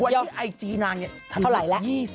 วันนี้ไอจีนางนี่